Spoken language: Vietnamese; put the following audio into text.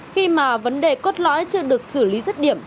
khi mà vấn đề cốt lõi chưa được xử lý rất điểm